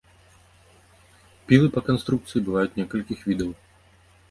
Пілы па канструкцыі бываюць некалькіх відаў.